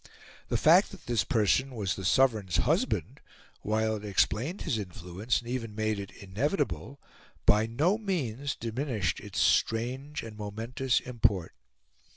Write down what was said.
The fact that this person was the Sovereign's husband, while it explained his influence and even made it inevitable, by no means diminished its strange and momentous import.